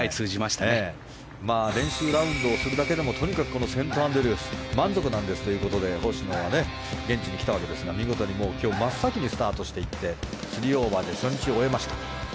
練習ラウンドをするだけでもとにかくこのセントアンドリュース満足なんですということで星野は現地に来たわけですが見事に真っ先にスタートしていって３オーバーで初日を終えました。